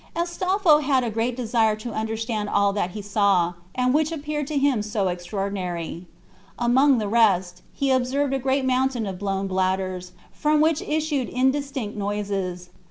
Astolpho had a great desire to understand all that he saw, and which appeared to him so extraordinary. Among the rest, he observed a great mountain of blown bladders, from which issued indistinct noises.